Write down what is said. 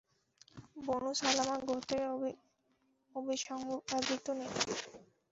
বনু Salama গোত্রের অবিসংবাদিত নেতা।